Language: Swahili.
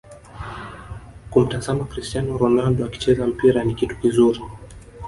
Kumtazama Crstiano Ronaldo akicheza mpira ni kitu kizuri